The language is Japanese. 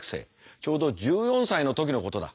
ちょうど１４歳の時のことだ。